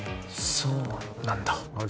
そうなんだ